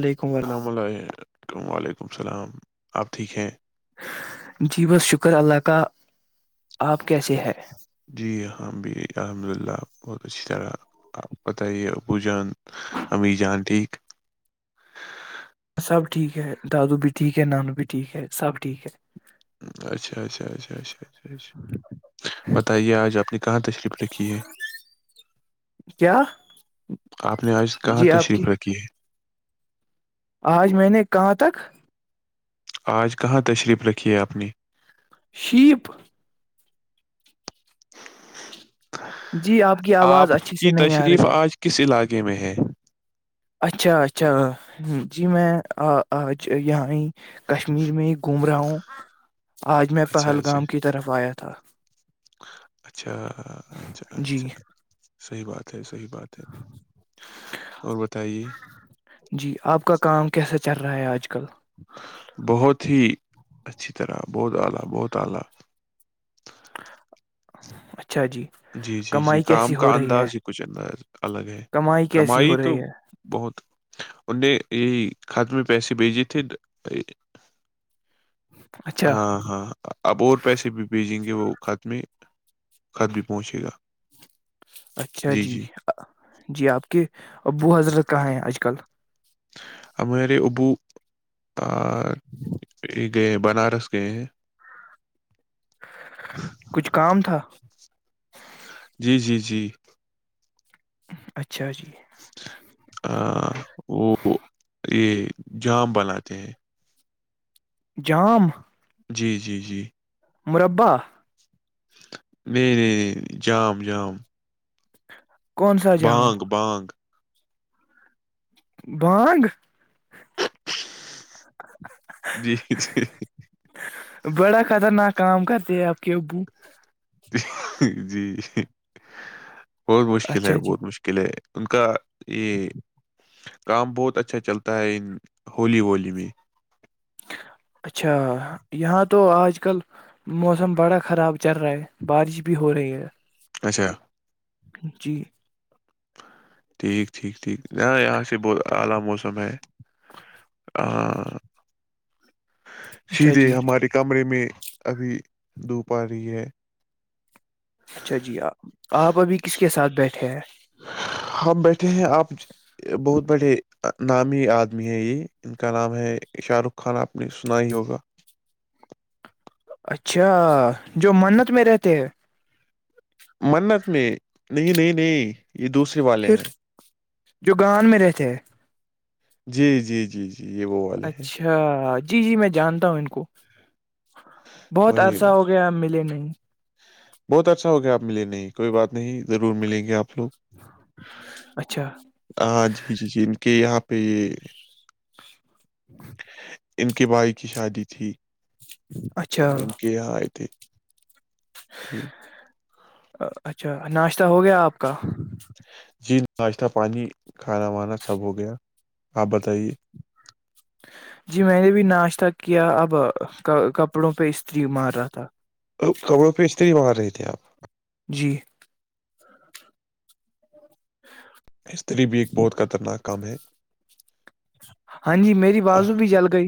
وعلیکم ورحم السلام ال وعلیکم السلام آپ ٹھیک ہیں جی ب ش شکر اللہ کا آپ کیسے ہے ہاں بھی الحمد اللہ بہت اچھی طرحپ پت ہی ابو جان امی جان ٹھیک سب ٹھیک ہے دادو بھی ٹھیک ہے نانو بھی ٹھیک ہے سب ٹھیک ہے اچھا اچھا اچھا اچھ اچھ اچھ بتائیے آج آپ نے کہاں تشریف رکھی ہے کیا آپ نے آج کہاں جی آپ تشریف کی رکھی ہے آج میں نے کہاں تک آج کہاں تشریف رکھی ہے اپنی شپ جی آپ کی آواز اچھی سے نہیں آ رہی ہے گی میں ہے اچھا اچھا جی میں آج یہاں کشمیر میں ہی گھوم رہا ہوں ہاں آج میں اچھا اچھا پہلگام کی طرف آیا تھا کتا اچھا اچھا جی اچھا صحی بات ہے صحیح بات ہے اور بتائیے جی آپ کا کام کیسا چل رہا ہے آج کل بہت ہی اچھی طرح بہت اعلی بہت اعلی اچھا جی جی جی جی کمائی کام کیسی کا ہو رہی ہے انداز ہی کچھ انداز الگ ہے کیسی کمائی ہو تو رہی ہے بہت ان نے یہی خاتمے پیسے بھیجے تھے اچھا ہاں ہاں اب اور پیسے بھی بھیجیں گے وہ ک اس میں خط بھی پہنچے گا اچھا جی جی آپ کے ابو حضرت کہاں ہے آج کل امیر ابو اور ایک گئے ہیں بنارس گئے ہیں کچھ کام تھا جی جی جی اچھا جی آ وہ یہ جام بناتے ہیں جام جی جی جی مربع نہیں نہیں نہیں جام جام کون سا جام بانگ بانگ بانگ جی جی بڑا خطرناک کام کرتے ہیں آپ کے ابو جی بہت مشکل ہے اچھا جی بہت مشکل ہے ان کا یہ کام بہت اچھا چلتا ہے ہولی ہولی میں اچھا یہاں تو آج کل موسم بڑا خراب چل رہا ہے بارش بھی ہو رہی ہے اچھا جی ٹھیک ٹھیک ٹھیک ن یہاں سے بہت اعلی موسم ہے ہاں اچھا سیدھے جی ہمارے کمرے میں ابھی دھوپ ا رہی ہے اچھا جی آپ آپ ابھی کس کے ساتھ بیٹھے ہیں ہم بیٹھے ہیں آپ بہت بڑے نامی آدمی ہیں یہ ان کا نام ہے شاہ رخ خان آپ نے سنا ہی ہوگا اچھا جو منت میں رہتے ہیں منت میں نہیں نہیں نہیں یہ دوسرے والے پھر ہیں جو گان میں رہتے ہیں جی جی جی جی یہ وہ والے ہیں اچھا جی جی میں جانتا ہوں ان کو بہت وہی عرصہ ہو گیا ہم ملےنے ہاں بہت اچھا ہوگیا آپ ملے نہیں کوئی بات نہیں ضرور ملیں گے آپ و اچھا ہاں جی جی جی ان کے یہاں پ ان کے بھائی کی شادی تھی اچھا تو میں کیا یہاں آئے تھے ٹ اچھا ناشتہ ہو گیا آپ کا جی نہیں ناشتہ پانی کھانا وانا سب ہو گیا آپ بتائیے جی میں نے بھی ناشتہ کیا اب کپڑوں پہ استری مار رہا تھا کپڑوں پیچتے ہی بار رہی تھے تھے اپ جی ہ [inaudible] استری بھی ایک بہت خطرناک کام ہے ہاں جی میری آہ، بازو بھی جل گئی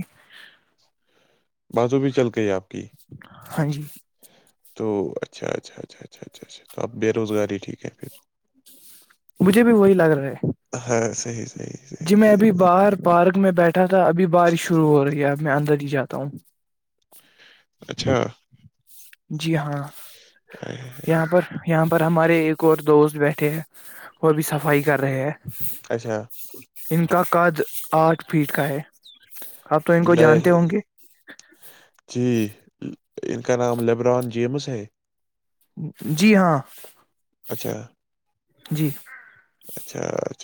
باتوں بھی چل گئی آپ کی ہاں جی تو اچھا اچھا اچھا اچھا اچھا اچھا تو آپ بے روزگاری ٹھیک ہیں پھر مجھے بھی وہی لگ رہا ہے صی [inaudible] جب میں ابھی باہر پارک میں بیٹھا تھا ابھی ب بارش شروع ہو رہی ہے اب میں اندر ہی جاتا ہوں اچھا جی ہاں اے، یہاں پر یہاں پر پر ہمارے ایک اور دوست بیٹھے ہے وہ ا بھی صفائی کر رہے ہے اچھا ان کا قد آٹھ فٹ کا ہے آپ تو ان کو جانتے ہوں نہیں گے جی ان کا کا نام لبران جیمس ہے ہے جی ہاں اچھا جی اچھاچھا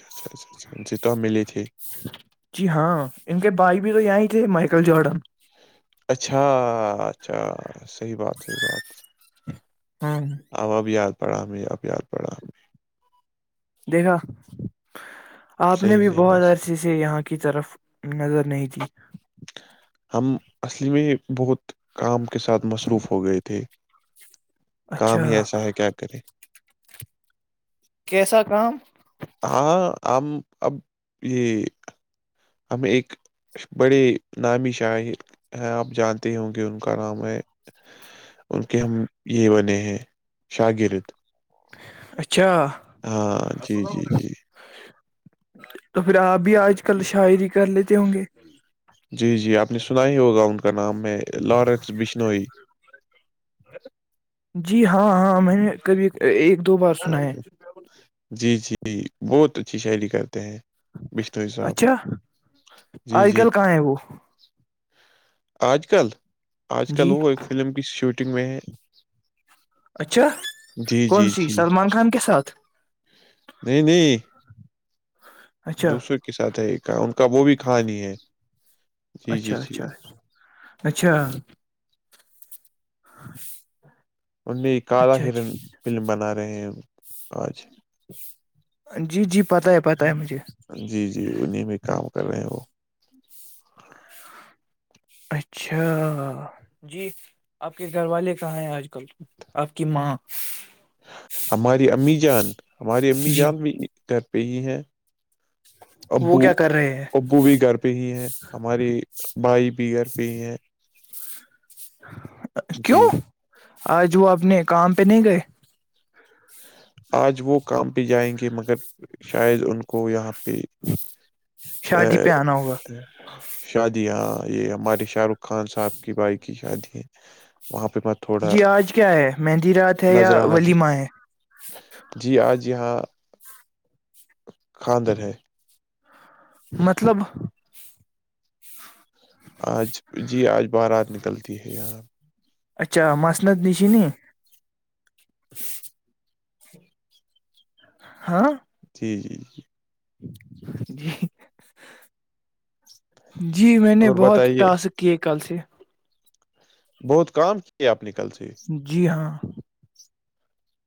جی ہاں ان کے بھائی بھی تو یہ ہی تھے م جڈن [unintelligible] اچھا اچھا صحی بات صحی بات ہاں او ااب یاد پڑھا ہم یا پیاد پڑھا ہم دیکھا آپ نے صحیح بھی صحیح بہت بات عرصے سے یہاں کی طرف نظر نہیں تھی ہم اصلی میں بہت کام کے ساتھ مصروف ہو گئے تھے اچھا کام ہی ایسا ہے کیا کرے کیسا کام ہاں ہم اب یہ ہم ایک بڑے نامی شاہر ہیں آپ جانتے ہو کہ ان کا نام ہے ان کے ہم یہ بنے ہیں شاہگررد اچھا ہاں جی جی جی تو پھر آپ بھی آج کل شاعری کر لیتے ہوں گے جی جی آپ نے سنا ہی ہوگا ان کا نام ہے لارنس بشنوئی جی ہاں ہاں ہاں میں نے کبھی ایک دو بار سنا ہے جی جی بہت اچھی شاعری کرتے ہیں بشنوئی صاحب اچھا جی آج جی کل کہاں ہے وہ آج کل آج کل جی وہ ایک فلم کی شوٹنگ شوٹنگ میں ہے اچھا جی کون جی سی جی سلمان خان کے ساتھ اچھا دوسرے کے ساتھ ہے ایک ان کا وہ بھی کھا نہیں ہے جی جی اچھا اچھاچ جی اچھا خوش ان میں آدا ہرن فلم بنا رہے ہیں اچھا جی جی پتہ ہے پتہ ہے مجھے جی جی انیں میں کام کر رہے ہیں وہ اچھا جی آپ کے گھر والے کہاں ہیں آج ک آپ کی ماں ہماری امی جان ہماری امی جی جان بھی کر پہ ہی ہے وہ ابو کیا کر رہے ہیں ابو بھی گھر پہ ہی ہے ہمارے بھائی بھی گھر پہ ہی ہیں جی کیوں آج وہ اپنے کام پہ نہیں گئے آج وہ کام پہ جائیں گے مگر شاید ان کو یہاں پہ ا شادی پہ آنا ہوگا شادی ہاں یہ ہمارے شاہ رخ خان صاحب کی بھائی کی شادی ہے وہاں پہ میں تھوڑا جی آج کیا ہے مہندی رات ہے یا نظرانہ د ولیمہ ہے جی آج یہاں [inaudible] خاندر ہے مطلب آج جی آج بار رات نکلتی ہے یہاں اچھا مسند نش نہیں [inaudible] ہاں جی جی ج جی جی میں نے اور بہت بتائیے ٹاسک کیے کل سے بہت کام کیا آ جی ہاں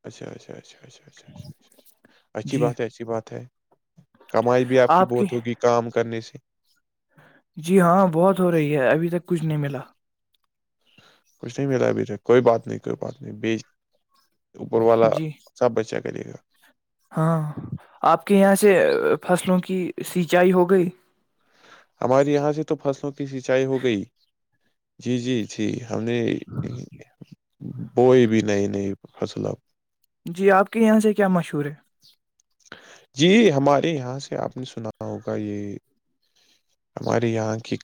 اچھا اچھا اچا اچھا اچھا اچھا اچھا اچھا اچھی جی بات ہے اچھی بات ہے کمائی بھی آپ کی بہت ہوگی کام کرنے سے جی ہاں بہت ہو رہی ہے ابھی تک کچھ نہیں ملا کچھ نہیں ملا ہے مجھے کوئی بات نہیں کر پاتے بیج اوپر والا جی سب بچ کرے گا ہاں آپ کے یہاں سے فصلوں کی سیچائی ہو گئی ہمارے یہاں سے تو فصلوں کی سینچائی ہو گئی جی جی جی ہم نے بوئی بھی نئی نئی فصل اب جی آپ کے یہاں سے کیا مشہور ہے؟ جی ہمارے یہاں سے آپ نے سنا ہوگا یہ ہمارے یہاں کی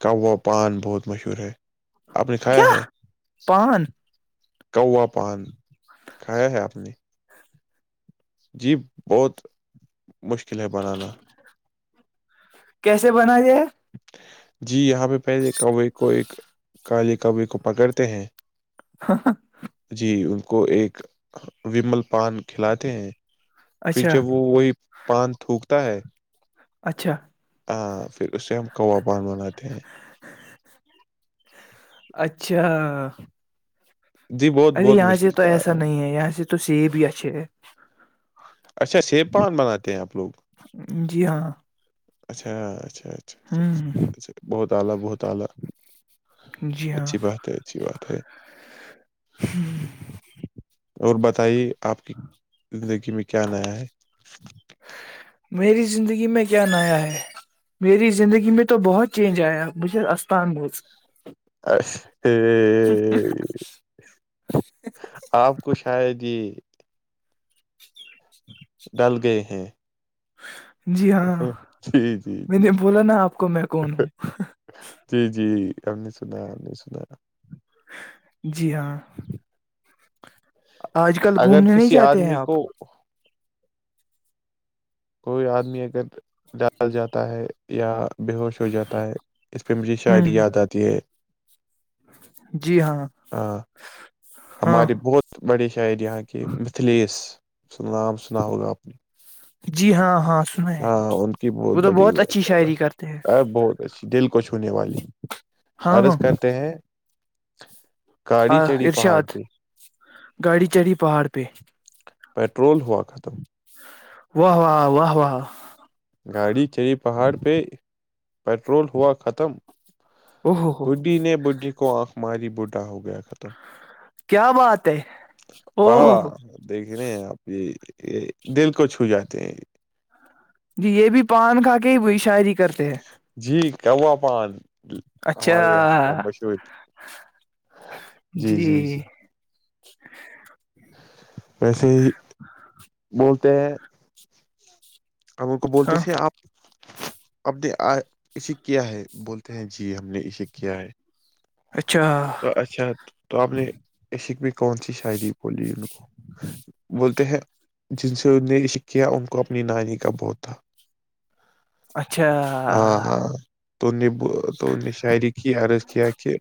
پان بہت مشہور ہے آپ نے کھایا کیا ہے پان کوا پان کھایا ہے آپ نے جی بہت مشکلیں بنانا کیسے بنا تے یہ جی یہاں پہ پہلے کوے کو ایک کالے کوے کو پکڑتے ہیں جی ان کو ایک ومل پان کھلاتے ہیں پھر اچھا جب وہ وہی پان تھوکتا ہے اچھا آ اسے ہم کوا پان بناتے ہیں اچھا جی بہت ارے بہت یہاں سے مشکل تو کار ایسا نہیں ہے یہاں سے تو سیب ہی اچھے ہے اچھا سیب پان منگاتے ہیں آپ لوگ جی ہاں اچھا اچھا اچھا ہ اچھاچھاا بہت تالا بہت تالا جی ہاں اچھی بات ہے اچھی بات ہے اور بات تائی آپ کی زندگی میں کیا نیا ہے میری زندگی میں کیا نایا ہے میری زندگی میں تو بہت چینج آیا بچ اسستان بوز اچ ہ آپ کو شایدی ڈل گئے ہاں جی ہاں جی میں جی نے بولا نا آپ کو میں کون ہوں جی جی ہم نہیں سنا نہیں سنا جی ہاں آج کل اگر گھومنے نہیں کسی جاتتے ہیں آدمی آپ کو کوئی آدمی اگر ڈال جاتا ہے یا ب ہوش ہو جاتا ہے اس پہ مجھے ہوں شاعری یاد آتی ہے جی ہاں ہاں ہاں ہمارے بہت بڑے شاعر یہاں کی متھلیس نام سناؤ گا اپنی جی ہاں ہاں سنا ہے وہ تو بہت اچھی شاعری کرتے ہیں آ، بہت اچھی دل چھونے والی ہاں ارض کرتے ہیں [unintelligible] آ چڑھی پہاڑ ارشاد پہ گاڑی چڑھی پہاڑ پہ پٹرول ہوا ختم واہ واہ واہ واہ گاڑی چڑے پہاڑ پہ پٹرول ہوا ختم او ہو ہو بڈی نے بڈھی کو ماری بوڈھا ہو گیا ختم کیا بات ہے ب او ہو ہو۔ دیکھےنے اب یہ یہ دل کو چھو جاتے ہیں جی یہ بھی پان کھا کے ہی بئی شاعری کا جی کا پان ہمارے یہاں کا اچھا مشہور جی جی جی [unintelligible] [unintelligible] ویسے ہی بولتے ہیں ہم ان کو بولتے ہاں تھے آپ ہم نے آ اسے کیا ہے بولتے ہیں جی ہم نے اسے کیا ہے اچھا تو اچھا تو آپ نے اس س بھی کون سی شاعری بولی ان کو بولتے ہیں جن سے ان نےشق کیا ان کو اپنی نانی کا بوت تھا اچھا ہاں ہاں تو نے تو نے شاعری کی عرض کیا کہ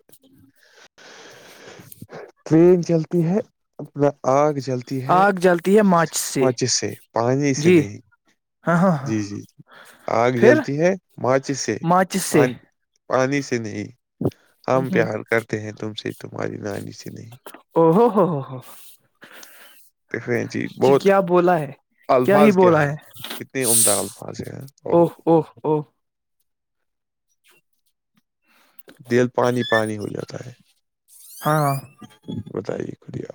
ج [unintelligible] پریین چلتی ہے اپنا آگ جلتی ہے آگ جلتی ہے ماچ سے مچس سے پانی سے جی نہیں ہاں ہاں ہاں جی جی جی آگ پھر جلتی ہے ماچس سے ماچس سے پانی پانی سے نہیں ہم ہ پیار کرتے ہیں تم سے تو ہماری نانی سے نہیں او ہو ہو ہو ہو پفرینسی جی بہت کیا بولا ہے کیا ہی الفاظ بولا ہیں ہے کتنے عمدہ الفاظ ہیں او اور او او دل پانی پانی ہو جاتا ہے ہاں ہاں بتائیے خریہ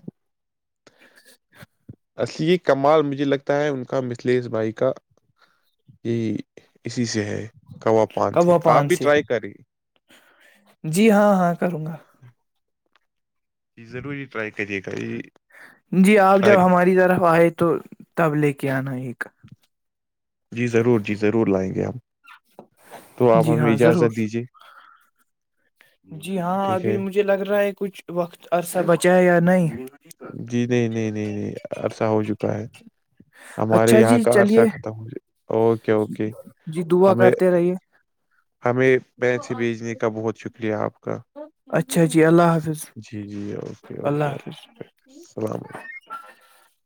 اصلی یہ کمال مجھے لگتا ہے ان کا مثلیش بھائی کا یہی اسی سے ہے کباب پان تھی کوا آپ پان بھی سے ٹرائی کری جی ہاں ہاں کروں گا جی روری رائی کر کہریے گئی [unintelligible] جی آپ جب ہماری طرف آئے تو تب لے کے آنا ایک جی ضرور جی ضرور لائیں گے ہمپ تو آپ جی ہم ہاں ضرور اجازت دیجیے جی ہاں ٹھیک ابھی ہے مجھے لگ رہا ہے کچھ وقت عرصہ بچ جی نہیں نہیں نہیں نہیں عرصہ ہو چکا ہے ہمارے اچھا یہاں جی کا عرصہ چلیے ختم ہو اوکے اوکے جی دعا ہمیں کرتے رہیے ہمیں پسے بیچنے کا بہت ش اس لیے آپ اچھا جی اللہ حافظ جی جی اوکے اللہ اوکے حافظ اللام علیکم [unintelligible]